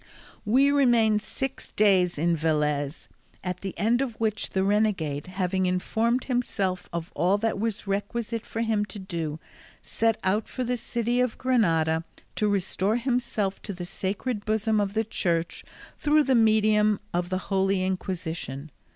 We remained six days in Velez, at the end of which the renegade, having informed himself of all that was requisite for him to do, set out for the city of Granada to restore himself to the sacred bosom of the Church through the medium of the Holy Inquisition.